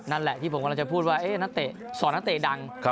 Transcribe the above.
นั่นแหละที่ผมกำลังจะพูดว่าสอนัตเตะดัง